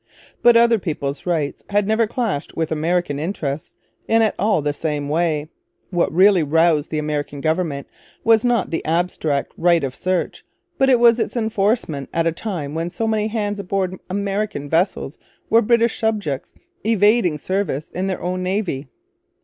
But other peoples' rights had never clashed with American interests in at all the same way. What really roused the American government was not the abstract Right of Search, but its enforcement at a time when so many hands aboard American vessels were British subjects evading service in their own Navy.